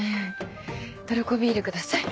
トルコビールください。